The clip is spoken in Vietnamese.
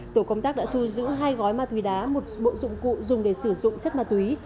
tổ công tác đã thu giữ hai gói ma túy đá một bộ dụng cụ dùng để sử dụng chất ma túy